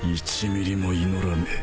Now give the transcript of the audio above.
１ミリも祈らねえ。